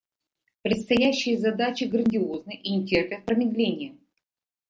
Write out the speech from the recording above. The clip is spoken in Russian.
Предстоящие задачи грандиозны и не терпят промедления.